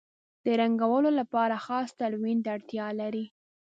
د رنګولو لپاره خاص تلوین ته اړتیا لري.